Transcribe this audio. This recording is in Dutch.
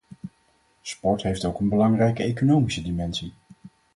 Sport heeft ook een belangrijke economische dimensie.